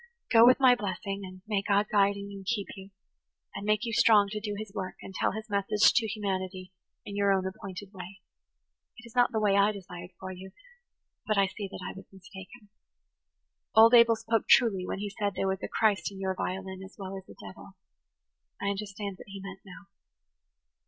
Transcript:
Go with my blessing, and [Page 115] may God guide and keep you, and make you strong to do His work and tell His message to humanity in your own appointed way. It is not the way I desired for you–but I see that I was mistaken. Old Abel spoke truly when he said there was a Christ in your violin as well as a devil. I understand what he meant now."